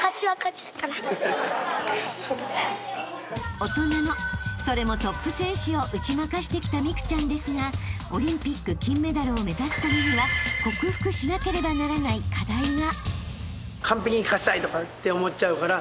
［大人のそれもトップ選手を打ち負かしてきた美空ちゃんですがオリンピック金メダルを目指すためには克服しなければならない課題が］